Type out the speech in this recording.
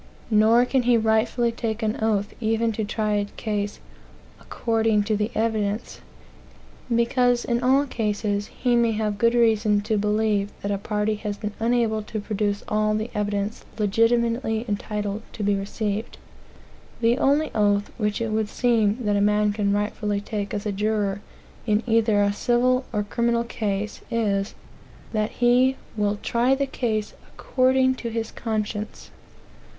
Nor can he rightfully take an oath even to try a case "according to the evidence," because in all cases he may have good reason to believe that a party has been unable to produce all the evidence legitimately entitled to be received. The only oath which it would seem that a man can rightfully take as juror, in either a civil or criminal case, is, that he "will try the case according to his conscience."